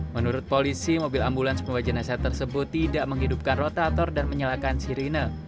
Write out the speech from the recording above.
menurut polisi mobil ambulans pembawa jenazah tersebut tidak menghidupkan rotator dan menyalakan sirine